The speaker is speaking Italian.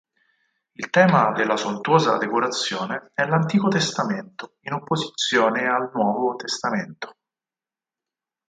Il tema della sontuosa decorazione è l'Antico Testamento in opposizione al Nuovo Testamento.